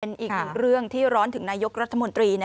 อีกหนึ่งเรื่องที่ร้อนถึงนายกรัฐมนตรี